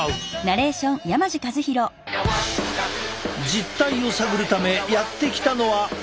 実態を探るためやって来たのは沖縄県。